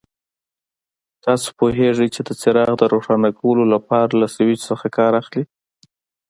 تاسو پوهېږئ چې د څراغ د روښانه کولو لپاره له سویچ څخه کار اخلي.